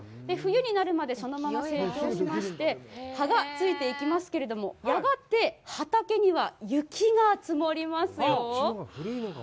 冬になるまでそのまま成長しまして、葉がついていきますけれども、やがて畑には雪が積もりますよ。